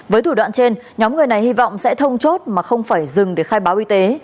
với thủ đoạn trên nhóm người này hy vọng sẽ thông chốt mà không phải dừng để khai báo y tế